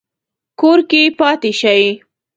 کور کې پاتې شئ